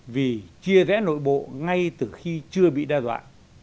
vì chia rẽ nội bộ ngay từ khi chưa bị đe dọa